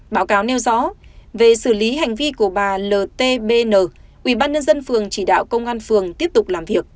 báo cáo nêu rõ về xử lý hành vi của bà ltbn ubnd phường chỉ đạo công an phường tiếp tục làm việc